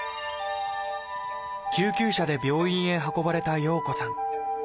救急車で病院へ運ばれた洋子さん。